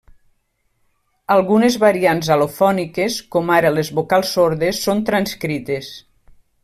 Algunes variants al·lofòniques, com ara les vocals sordes, són transcrites.